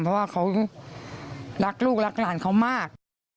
เพราะว่าเขารักลูกรักหลานเขามาก